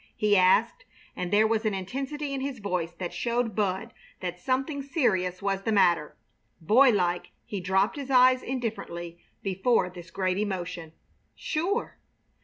he asked, and there was an intensity in his voice that showed Bud that something serious was the matter. Boylike he dropped his eyes indifferently before this great emotion. "Sure!"